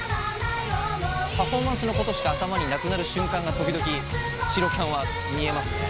パフォーマンスのことしか頭になくなる瞬間が時々白キャンは見えますね。